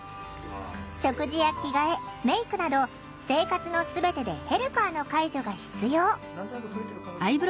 食事や着替えメークなど生活の全てでヘルパーの介助が必要。